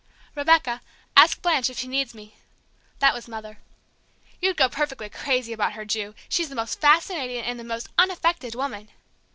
"Rebecca, ask Blanche if she needs me," that was Mother. "You'd go perfectly crazy about her, Ju, she's the most fascinating, and the most unaffected woman!"